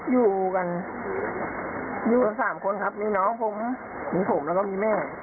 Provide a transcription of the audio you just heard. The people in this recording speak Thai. อยู่กันอยู่กันสามคนครับมีน้องผมมีผมแล้วก็มีแม่